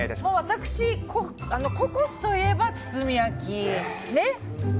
私、ココスといえば包み焼き。